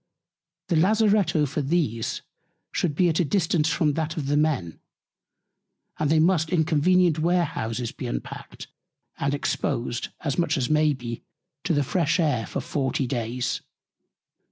The Lazaretto for these should be at a Distance from that for the Men, and they must in convenient Warehouses be unpackt, and exposed, as much as may be, to the fresh Air for 40 Days.